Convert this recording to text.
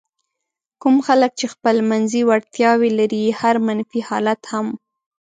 کوم خلک چې خپلمنځي وړتیاوې لري هر منفي حالت هم.